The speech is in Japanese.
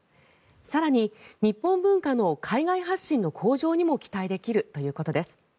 更に、日本文化の海外発信の向上にも期待できるということです。